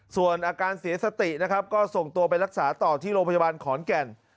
ส่วนอาการเสียสตินะครับก็ส่งตัวไปรักษาต่อที่โรงพยาบาลขอนแก่น